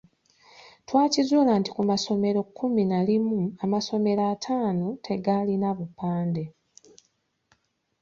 Twakizula nti ku masomero kkumi na limu amasomero ataano tegalina bupande.